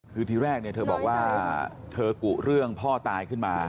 คือทีแรกเนี่ยเธอบอกว่าเธอกุเรื่องพ่อตายขึ้นมา